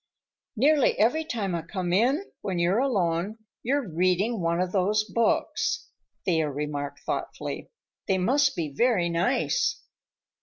"Nearly every time I come in, when you're alone, you're reading one of those books," Thea remarked thoughtfully. "They must be very nice."